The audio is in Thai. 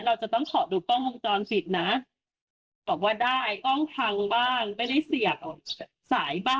เราจะต้องก็ดูก้องทงความตอบสิทธิ์นะบอกว่าได้กองพังบ้างไม่ได้เสียใสสายบ้าง